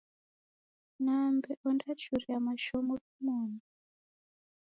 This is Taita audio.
Nambe ondachuria mashomo kimonu?